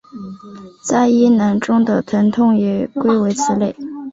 在阴囊中的疼痛也归为此类。